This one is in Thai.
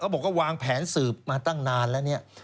บอกว่าวางแผนสืบมาตั้งนานแล้วเนี่ย